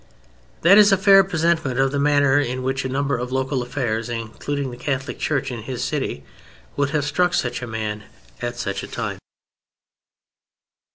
That is a fair presentment of the manner in which a number of local affairs (including the Catholic Church in his city) would have struck such a man at such a time.